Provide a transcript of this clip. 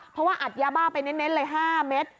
เพราะว่าอัดยาบ้าไปเน้นเลย๕เม็ด